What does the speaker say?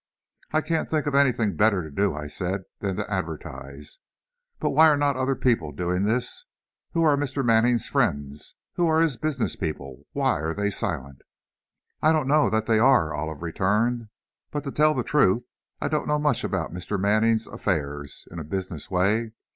"I can't think of anything better to do," I said, "than to advertise. But why are not other people doing this? Who are Mr. Manning's friends? Who are his business people? Why are they silent?" "I don't know that they are," Olive returned; "but to tell the truth, I don't know much about Mr. Manning's affairs, in a business way.